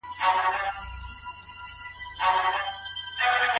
تاسو خپلو اولادونو ته روژه ښياست؟